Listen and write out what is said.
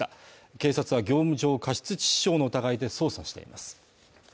警察は業務上過失致死傷の疑いで捜査しています。